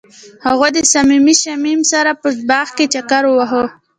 هغوی د صمیمي شمیم سره په باغ کې چکر وواهه.